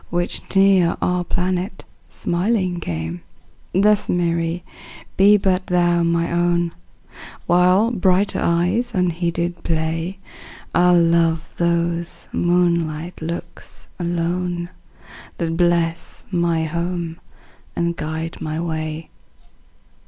Which near our planet smiling came; Thus, Mary, be but thou my own; While brighter eyes unheeded play, I'll love those moonlight looks alone, That bless my home and guide my way.